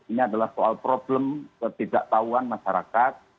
ini adalah soal problem ketidaktahuan masyarakat